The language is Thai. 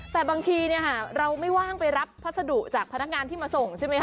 แต่บางทีเราไม่ว่างไปรับพัสดุจากพนักงานที่มาส่งใช่ไหมค